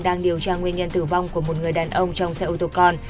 đang điều tra nguyên nhân tử vong của một người đàn ông trong xe ô tô con